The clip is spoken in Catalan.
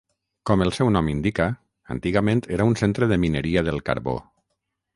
Com el seu nom indica, antigament era un centre de mineria del carbó.